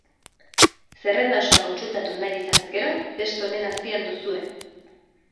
Zerrenda osoa kontsultatu nahi izanez gero, testu honen azpian duzue.